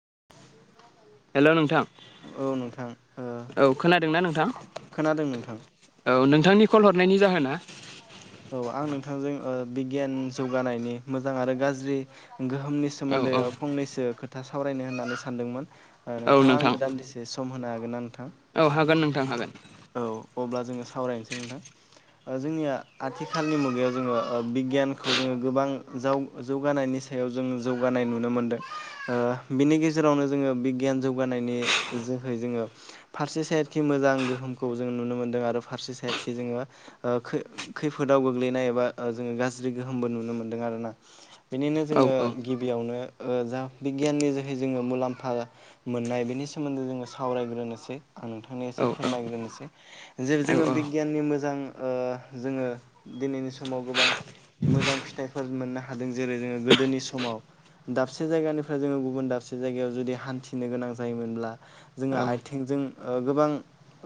[unintelligible] Hello! नोंथां औ नोंथां ओ औ खोनादोंना नोंथां? खोनादों नोंथां औ नोंथांनि कल हरनायनि जाहोना? औ आं नोंथांजों ओ बिगियान जौगानायनि मोजां आरो गाज्रि। गोहोमनि औ सोमोन्दै औ फंनैसो खोथा सावरायनो होननानै सानदोंमोन। औ नोंथाङा नोंथां आंनो दान्दिसे सम होनो हागोन नों? औ हागोन नोंथां हागोन। औ अब्ला जोङो सावरायनोसै नोंथां? ओ जोंनिया आथिखालनि मुगायाव जोङो ओ बिगियानखौ जोङो गोबां जाव जौगानायनि। सायाव जों जौगानाय नुनो मोनदों ओ बिनि गेजेरावनो जोङो बिगियान जौगानायनि। जोहै जोङो फारसे सायदखि मोजां गोहोम खौ जों नुनो मोनदों आरो फारसे साइदखि जोङो ओ खै खैफोदाव गोग्लैनाय एबा जोङो गास ज्रि गोहोमबो नुनो मोन्दों आरोना बेनिनो औ जोङो गिबियावनो ओ जा बिगियाननि जोहै जोङो मुलाम्फा मोननाय बेनि सोमोन्दै जोङो सावरायग्रोनोसै। आं नोंथांनो औ एसे औ फोरमायग्रोनि सै जेरै औ जोङो बिगियाननि मोजां ओ जोङो दिनैनि समाव गोबां मोजां फिथाइफोर मोननो हादों जेरै जोङो गोदोनि समाव दाबसे जायगानिफ्राय जोङो गुबुन दाबसे जायगायाव जुदि हान्थिनो गोनां जायोमोनब्ला जोङो औ आथिं जों ओ गोबां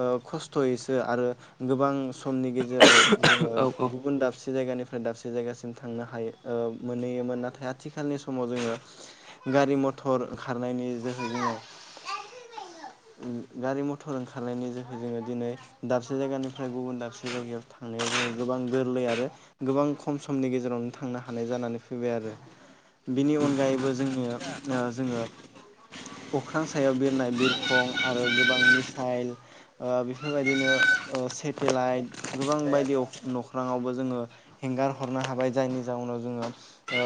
ओ खस्थ'यैसो आरो गोबां समनि गेजेराव जोङो औ गुबुन दाबसे जायगानिफ्राय दाबसे जायगासिम थांनो हायो ओ मोनहैयोमोन नाथाय आथिखालनि समाव जोङो गारि मथर खारनायनि जोहैनो उम गारि मथर ओंखारनायनि जो है जोङो दिनै दाबसे जायगानिफ्राय गुबुन दाबसे जायगायाव थांनायाव जोङो गोबां गोरलै आरो गोबां खम समनि गेजेरावनो थांनो हानाय जानानै फैबाय आरो बिनि अनगायैबो जोंनो ओ जोङो अख्रां सायाव बिरनाय बिरखं आरो गोबां मिसाइल ओ बेफोरबायदिनो ओ सेटेलाइट गोबां बायदि अ नख्रङावबो जोङो हें गारहरनो हाबाय जायनि जाउनाव जोङो ओ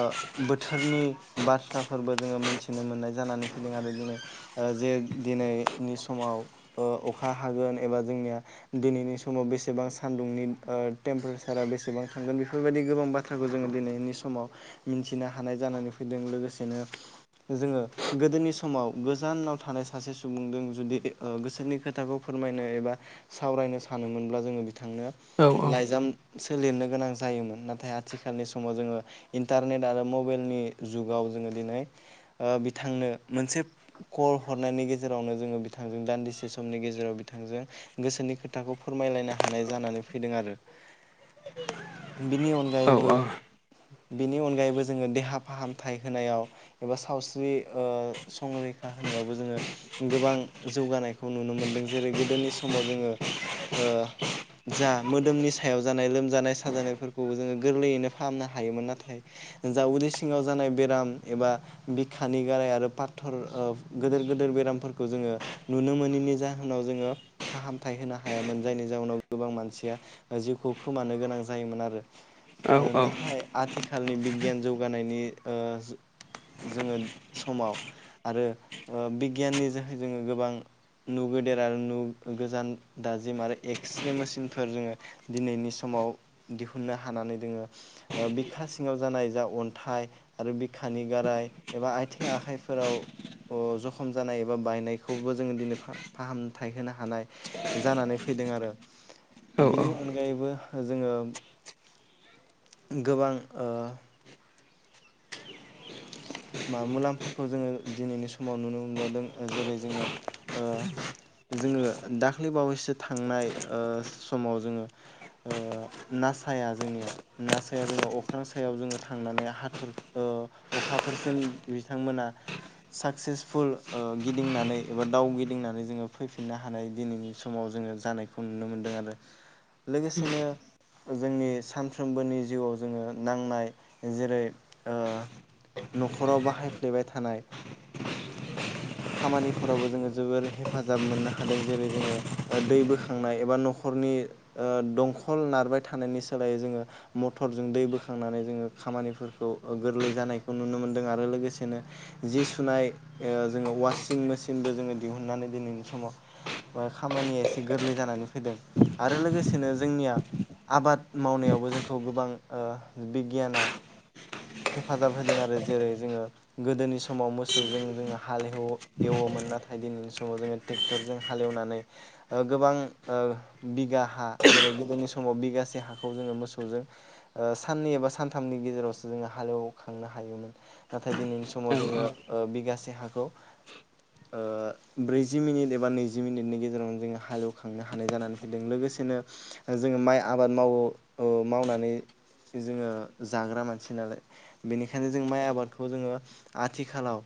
बोथोरनि बाथ्राफोरबो जोङो मिनथि नो मोननाय जानानै फैदों आरो दिनै ओ जे दिनैनि समाव ओ अखा हागोन एबा जोंनिया दिनैनि समाव बेसेबां सान्दुंनि ओ टेम्प्रेसारा बेसेबां थांगोन बेफोरबायदि गोबां बाथ्राखौ जोङो दिनैनि समाव मिथिनो हानाय जानानै फैदों लोगोसेनो जोङो गोदोनि समाव गोजानाव थानाय सासे सुबुंजों जुदि ओ गोसोनि खो थाखौ फोरमायनो एबा सावरायनो सानोमोनब्ला जोङो बिथांनो लाइजाम सो लिरनो गोनां जायोमोन नाथाय आथिखालनि समाव जोङो इन्टारनेट आरो मबाइलनि जुगाव जोङो दिनै ओ बिथांनो मोनसे कल हरनायनि गेजेरावनो जोङो बिथांजों दान्दिसे समनि गेजेराव बिथांजों गोसोनि खोथाखौ फोरमायलायनो हानाय जानानै फैदों आरो बिनि अनगायैबो औ बिनि अनगायैबो जोङो देहा फाहामथाय होनायाव एबा सावस्रि ओ संरै रैखा होनायावबो जोङो गोबां जौगानाय खौ नुनो मोनदों जेरै गोदोनि समाव जोङो ओ जा मोदोमनि सायाव जानाय लोमजानाय साजानायफोरखौबो जोङो गोरलैयैनो फाहामनो हायोमोन नाथाय जा उदै सिङाव जानाय बेराम एबा बिखानि गाराय आरो पाथर ओ गोदोर गोदोर बेरामफोरखौ जोङो नुनो मो निनि जाहोनाव जोङो फाहामथाय होनो हायामोन जायनि जाहोनाव गोबां मानसिया जिउखौ खोमानो गोनां जायोमोन आरो ओ नाथाय आथि खालनि बिगियान जौगानायनि ओ जोङो समाव आरो ओ बिगियाननि जोहै जोङो गोबां नुगेदेर आरो नु गोजान दाजिम आरो एक्स्रे मेसिनफोर जोङो दिनैनि समाव दिहुननो हानानै दोङो ओ बिखा सिङाव जानाय जा अन्थाइ आरो बिखा नि गाराय एबा आथिं आखाइफोराव ओ जखम जानाय एबा बायनायखौबो जोङो दिनै फा-फाहामथाय होनो हानाय जानानै फैदों आरो बेनि अनगायैबो जोङो गोबां ओ मा मुलाम्फाखौ जोङो दिनैनि समाव नुनो मोनबावदों जेरै जोङो ओ जोङो दाख्लै बावैसो थांनाय ओ समाव जोङो ओ नासाया जोंनिया नासाया जोङो अख्रां सायाव जोङो थांनानै हाथर ओ ओ अखाफोरसिम बिथांमोना साक्सेसफुल ओ गिदिंनानै एबा दावगिदिंनानै जोङो फैफिननो हानाय दिनैनि समाव जो जोङो जानायखौ नुनो मोन्दों आरो लोगोसेनो जोंनि सानफ्रोमबोनि जिउआव जोङो नांनाय जेरै न'खराव बाहायफ्लेबाय थानाय खामानिफोरावबो जोङो जोबोर हेफाजाब मोननो हादों जेरै जोङो दै बोखांनाय एबा न'खर नरनि दंखल नारबाय थानायनि सोलायै जोङो मटरजों दै बोखांनानै जोङो खामानिफोरखौ गोरलै जानायखौ नुनो मोनदों आरो लोगोसेनो जि सुनाय जोङो वासिं मेसिनबो जोङो दिहुननानै दिनैनि समाव खामानिया एसे गोरलै जानानै फैदों आरो लोगोसेनो जोंनिया आबाद मावनायाव बेयावबो जोंखौ गोबां बिगियाना हेफाजाब होदों आरो जेरै जोङो गोदोनि समाव मोसौजों जोङो हाल एव एवोमोन नाथाय दिनैनि समाव जोङो ट्रेक्टरजों हालेवनानै गोबां बिगा हा जेरै गोदोनि समाव बिगासे हाखौ जोङो मोसौजों साननै एबा सानथामनि गेजेराव जोङो हालेवखांनो हायोमोन नाथाय दिनैनि समाव जोङो बिगासे हाखौ ब्रैजि मिनिट एबा नैजि मिनिटनि गेजेरावनो जोङो हालेवखांनो हानाय जानानै फैदों लोगोसे बिदिनो जोङो माइ आबाद मावो मावनानै जोङो जाग्रा मानसि नालाय बेनिखायनो जों माइ आबादखौ जोङो आथिखालाव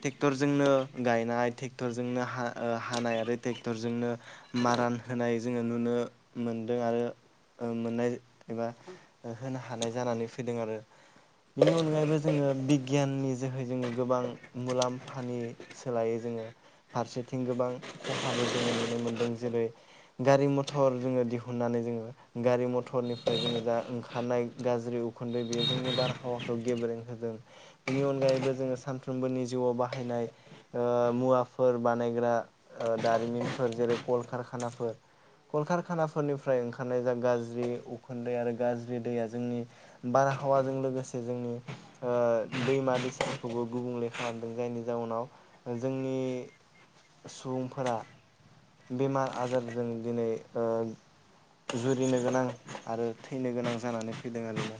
ट्रेक्टरजोंनो गायनाय ट्रेक्टरजोंनो हानाय आरो ट्रेक्टरजोंनो आरान होनाय जोङो नुनो मोनदों आरो मोननाय एबा होनो हानाय जानानै फैदों आरो। बिनि अनगायैबो जोङो बिगियाननि जोहै जोङो गोबां मुलाम्फानि सोलायो जोङो फारसेथिं गोबां खहाबो जोङो नुनो मोनदों जेरै गारि मथर जोङो दिहुननानै जोङो गारि मथरनिफ्राय जोङो जा ओंखारनाय गाज्रि उखुन्दै बेयो जोंनि बारहावाखौ गेब्रें होदों बिनि अनगायैबो जोङो सानफ्रोमबोनि जिउआव बाहायनाय मुवाफोर बानायग्रा दारिमिनफोर जेरै कलकारखानाफोर कलकारखानाफोरनिफ्राय ओंखारनाय जा गाज्रि उखुन्दै आरो गाज्रि दैया जोंनि बारा आबहावाजों लोगोसे जोंनि ओ दैमा दैसाफोरखौबो गुबुंले खालामदों जायनि जाउनाव जोंनि सुबुंफोरा बेमार आजारजों दिनै जुरिनो गोनां आरो थैनो गोनां जानानै फैदों आरोना।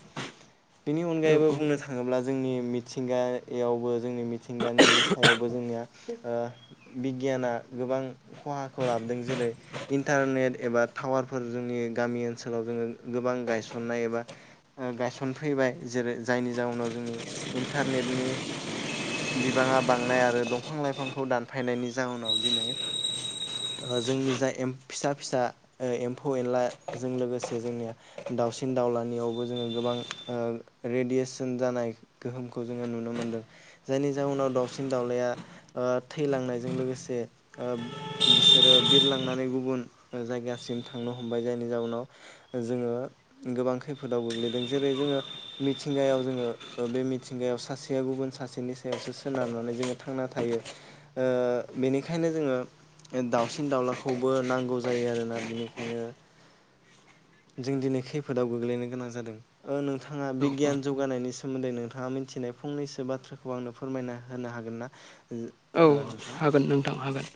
बेनि अनगायैबो औ बुंनो थाङोब्ला जोंनि मिथिंगायावबो जोंनि मिथिंगानि सायावबो जोंनिया बिगियाना गोबां खहाखौ लाबोदों जेरै इन्टारनेट एबा टावारफोर जोंनि गामि ओनसोलाव जोङो गोबां गायसननाय एबा गायस फैबाय जेरै जायनि जाउनाव जोंनि इन्टारनेटनि बिबाङा बांनाय आरो दंफां लाइफांखौ दानफायनायनि जाउनाव दिनै जोंनि जा फिसा फिसा एम्फौ एनलाजों लोगोसे जोंनिया दाउसिन दाउलानियावबो जोङो गोबां रेडियेसन जानाय गोहोमखौ जोङो नुनो मोनदों जायनि जाउनाव दावउसिन दाउलाया थैलांनायजों लोगोसे बिसोरो बिरलांनानै गुबुन जायगासिम थांनो हमबाय जायनि जाउनाव जोङो गोबां खैफोदाव गोग्लैदों जेरै जोङो मिथिंगायाव जोङो बे मिथिंगायाव सासेया गुबुन सासेनि सायावसो सोनारनानै जोङो थांना थायो बेनिखायनो जोङो दाउसिन दाउलाखौबो नांगौ जायो आरोना बिनिखायनो जों दिनै खैफोदाव गोग्लैनो गोनां जादों नोंथाङा औ बिगियान जौगानायनि सायाव सोमोन्दै नोंथाङा मिथिनाय फंनैसो बाथ्राखौ आंनो फोरमायना होनो हागोन ना? औ ओ नोंथां हागोन नोंथां हागोन।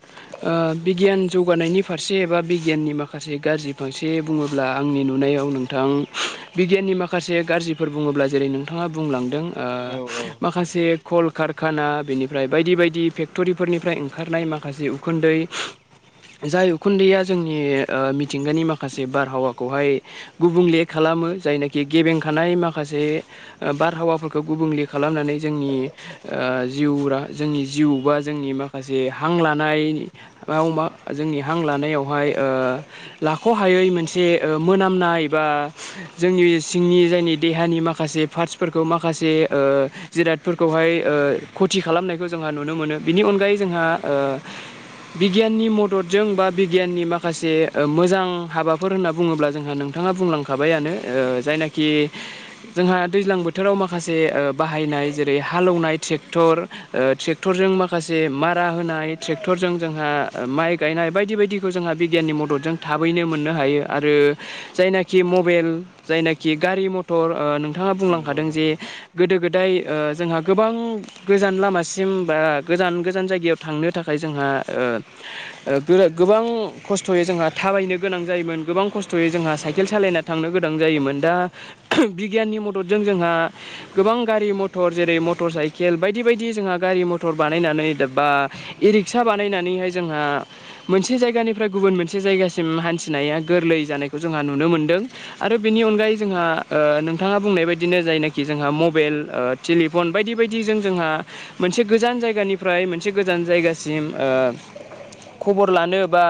बिगियान जौगानायनि फारसे एबा बिगियाननि माखासे गाज्रि फारसे बुङोब्ला आंनि नुनायाव नोंथाङा आं बिगियाननि माखासे गाज्रिफोर बुङोब्ला जेरै नोंथाङा बुंलांदों ओ औ औ माखासे कल कारखाना बेनिफ्राय बायदि बायदि फेक्ट'रिफोरनिफ्राय ओंखारनाय माखासे उखुन्दै जाय उखुन्दैया जोंनि ओ मिथिंगानि माखासे बारहावाखौहाय गुबुंले खालाम मो जायनोखि गेबेंखानाय माखासे ओ बारहावाफोरखौ गुबुंले खालामनानै जोंनि ओ जिउरा जोंनि जिउ बा जोंनि माखासे हां लानायाव मा जोंनि हां लानायावहाय ओ ओ लाख'हायै मोनसे ओ मोनामनाय बा जोंनि सिंनि जायनि देहानि माखासे पार्टसफोरखौ माखासे ओ जिरादफोरखौहाय ओ खथि खालामनायखौ जोंहा नुनो मोनो बिनि अनगायै जोंहा ओ बिगियाननि मददजों बा बिगियाननि माखासे ओ मोजां हाबाफोर होनना बुङोब्ला जोंहा नों थाङा बुंलांखाबायानो ओ जायनाखि जोंहा दैज्लां बोथोराव माखासे ओ बाहाय नाय जेरै- हालेवनाय ट्रेक्टर ओ ट्रेक्टरजों माखासे मारा होनाय ट्रेक्टरजों जोंहा माइ गायनाय बायदि बायदिखौ जोंहा बिगियाननि मददजों थाबैनो मोननो हायो आरो जायनाखि मबेल जायनाखि गारि मथर ओ नोंथाङा नंगौ बुंलांखादों जे नंगौ गोदो गोदाय ओ जोंहा गोबां गोजान लामासि सिम बा गोजान गोजान जायगायाव थांनो थाखाय जोंहा ओ ओ गो-गोबां खस्थ'यै जोंहा थाबायनो गोनां जायोमोन गोबां खस्थ'यै जोंहा साइकेल सालायना थांनो गोनां जायोमोन दा बिगियाननि मददजों जोंहा गोबां गारि मथर जेरै- मटर साइकेल बायदि बायदि जोंहा गारि मथर बानायनानै बा इ-रिक्सा बानायनानैहाय जोंहा मोनसे जायगानिफ्राय गुबुन गुबुन मोनसे जायगासिम हान्थिनाया गोरलै जानायखौ जोंहा नुनो मोनदों आरो बेनि अनगायै जोंहा ओ ओ नोंथाङा बुंनाय बायदिनो जायनाखि जोंहा मबेल ओ टेलिफन बायदि बायदिजों जोंहा मोनसे गोजान जायगानिफ्राय मोनसे गोजान जायगासिम ओ खबर लानो बा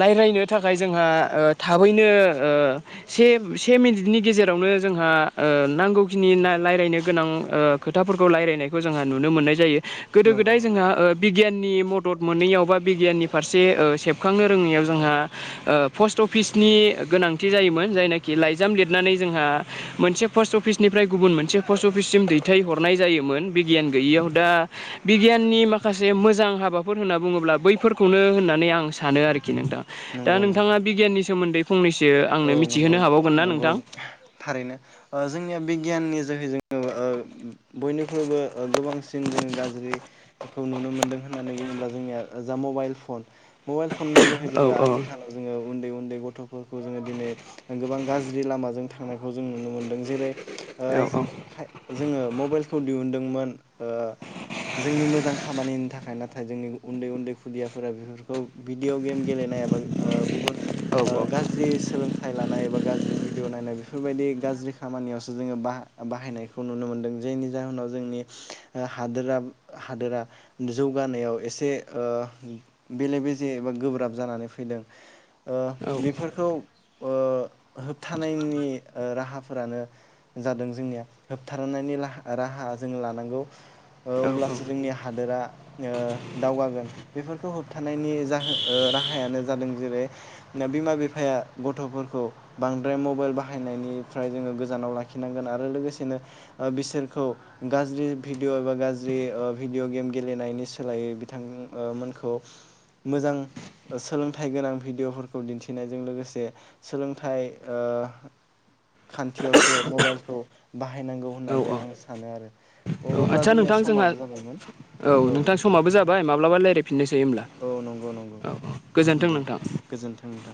लायरायनो थाखाय जोंहा ओ थाबैनो ओ से से मिनिटनि गेजेरावनो जोंहा ओ नांगौखिनि ना लायरायनो गोनां ओ खोथाफोरखौ लायरायनाय खौ जोंहा नुनो मोननाय जायो गोदो नंगौ गोदाय नंगौ जोंहा ओ बिगियान नि मदद मोनैयाव बा बिगियाननि फारसे ओ सेबखांनो रोङैयाव जोंहा ओ पस्ट अफिस नि गोनांथि जायोमोन जायनाखि लाइजाम लिरनानै जोंहा मोनसे पस्ट अफिसनिफ्राय गुबुन मोनसे पस्ट अफिससिम दैथायहरनाय जायोमोन। बिगियान गैयियाव दा बिगियाननि माखासे मोजां हाबाफोर होनना बुङोब्ला बैफोरखौनो होननानै आं सानो आरोखि नोंथां दा नंगौ नोंथाङा नंगौ बिगियाननि सोमोन्दै फंनैसो ओ औ आंनो नंगौ मिथिहोनो हाबावगोन ना नोंथां? नंगौ थारैनो ओ जोंनिया बिगियाननि जोहै जों [unintelligible] बयनिख्रुइबो ओ गोबांसिन जोङो गाज्रि खौ नुनो मोनदों होननानै बुङोब्ला जोंनिया ओ जा मबाइल फन मबाइल फननि जोहै औ जोङो औ आथिखालाव जोङो उन्दै उन्दै उन्दै गथ'फोरखौ जोङो दिनै गोबां गाज्रि लामाजों थांनायखौ जों नुनो मोनदों जेरै- ओ औ खाय जोङो मबाइलखौ दिहुनदोंमोन ओ जोंनि मोजां खामानिनि थाखाय नाथाय जोंनि उन्दै उन्दै खुदियाफोरा बेफोरखौ भिडिअ' गेम गेलेनाय एबा ओ गुबुन औ ओ गाज्रि सोलोंथाइ लानाय एबा गाज्रि भिडिअ नायनाय बेफोरबायदि गाज ज्रि खामानियावसो जोङो बा-बाहायनायखौ नुनो मोन्दों। जायनि जाहोनाव जोंनि हादोरा हादोरा जौगानायाव एसे ओ बेले बेजे एबा गोब्राब जानानै फैदों ओ औ बेफोरखौ ओ होबथानायनि ओ राहाफोरानो जादों जोंनिया होबथानायनि लाहा राहा जोङो लानांगौ ओ अब्लासो जोंनि हादोरा ओ दावगागोन बे बेफोरखौ होबथानायनि जाहोन ओ राहायानो जादों जेरै- बिमा बिफाया गथ'फोरखौ बांद्राय मबाइल बाहायनायनिफ्राय जोङो गोजानाव लाखिनांगोन आरो लोगोसेनो ओ बिसोर खौ गाज्रि भिडिअ' एबा गाज्रि ओ भिडिअ' गेम गेलेनायनि सोलायै बिथां ओ मोन खौ मोजां ओ सोलोंथाइ गोनां भिडिय'फोरखौ दिन्थिनायजों लोगोसे सोलोंथाइ ओ खान्थियावसो मबाइलखौ बाहायनांगौ औ होननानै औ आं सानो आरो। औ अब्ला आदसा जोंनिया नोंथां जोंहा समाबो जाबायमोन औ नोंथां समाबो जाबाय माब्लाबा रायलायफिननोसै। औ नंगौ नंगौ औ गोजोन्थों दे नोंथां गोजोन्थों नोंथां।